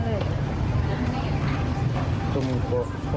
คอยโทษมาก